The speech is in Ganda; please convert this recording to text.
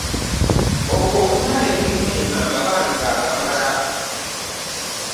Obwo obutale bulimu amabanga agamala.